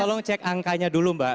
tolong cek angkanya dulu mbak